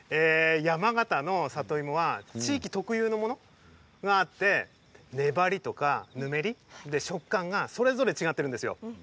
山形の里芋は地域特有のものがあって粘りとか、ぬめり食感がそれぞれ違っているんですよ。